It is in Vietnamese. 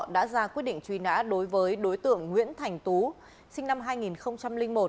đã ra quyết định truy nã đối với đối tượng nguyễn thành tú sinh năm hai nghìn một